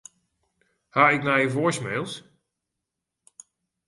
Ha ik nije voicemails?